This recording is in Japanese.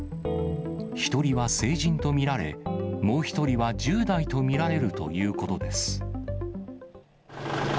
１人は成人と見られ、もう１人は１０代と見られるということです。